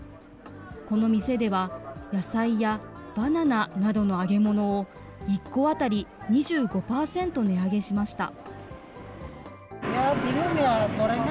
この店では、野菜やバナナなどの揚げ物を、１個当たり２５％値上げしました。